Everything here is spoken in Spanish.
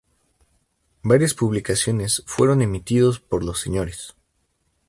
Varias publicaciones fueron emitidos por los Sres.